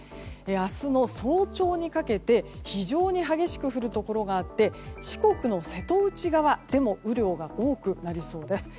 明日の早朝にかけて非常に激しく降るところがあって四国の瀬戸内側でも雨量が多くなりそうです。